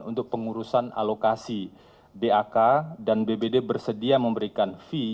untuk pengurusan alokasi dak dan bbd bersedia memberikan fee